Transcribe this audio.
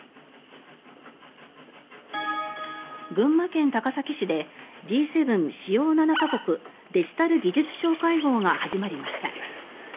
群馬県高崎市でＧ７・主要７か国デジタル・技術相会合が始まりました。